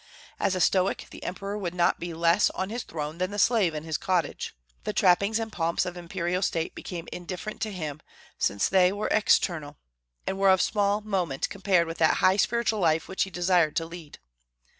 As a Stoic, the emperor would not be less on his throne than the slave in his cottage. The trappings and pomps of imperial state became indifferent to him, since they were external, and were of small moment compared with that high spiritual life which he desired to lead.